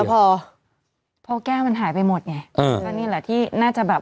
พอพอแก้วมันหายไปหมดไงเออก็นี่แหละที่น่าจะแบบ